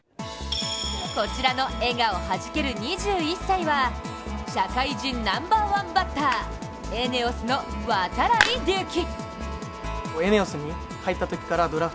こちらの笑顔はじける２１歳は社会人ナンバーワンバッター、ＥＮＥＯＳの度会隆輝。